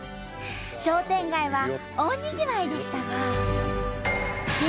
商店街は大にぎわいでしたが。